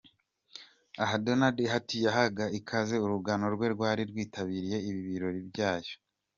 Aha Donald Hart yahaga ikaze urungano rwe rwari rwitabiriye ibi birori byayo.